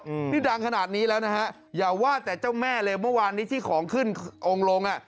อืมนี่ดังขนาดนี้แล้วนะฮะอย่าว่าแต่เจ้าแม่เลยเมื่อวานนี้ที่ของขึ้นองค์ลงอ่ะ